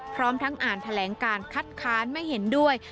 พร้อมทั้งอ่านแถลงการคัดค้านไม่เห็นด้วย